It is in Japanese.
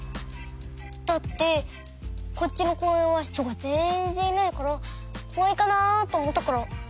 だってこっちのこうえんは人がぜんぜんいないからこわいかなあとおもったから。